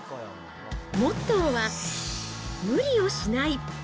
モットーは、無理をしない。